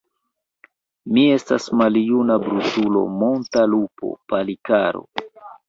Mi estas maljuna brutulo, monta lupo, Palikaro!